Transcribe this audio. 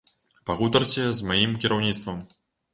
Пагутарце з маім кіраўніцтвам.